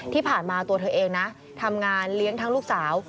ที่ผ่านมาตัวเธอเองนะทำงานเลี้ยงทั้งลูกสาว